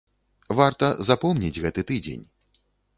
Варта запомніць гэты тыдзень.